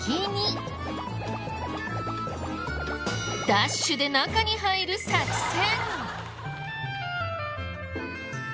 ダッシュで中に入る作戦。